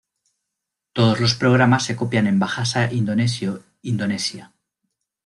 Todos los programas se copian en bahasa indonesio Indonesia.